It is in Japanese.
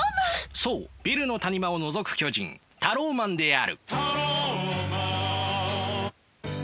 そうビルの谷間をのぞく巨人タローマンである。